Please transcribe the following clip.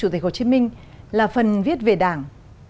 hồ chí minh là phần viết về đảng